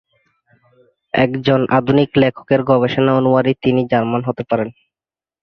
একজন আধুনিক লেখকের গবেষণা অনুযায়ী তিনি জার্মান হতে পারেন।